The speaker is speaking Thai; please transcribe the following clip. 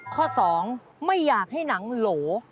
ข้อ๒ไม่อยากให้หนังโหล